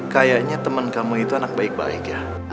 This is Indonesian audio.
kayaknya teman kamu itu anak baik baik ya